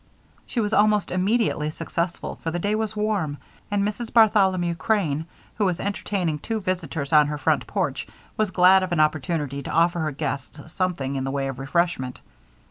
She was almost immediately successful, for the day was warm, and Mrs. Bartholomew Crane, who was entertaining two visitors on her front porch, was glad of an opportunity to offer her guests something in the way of refreshment.